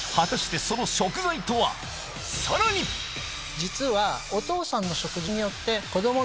実は。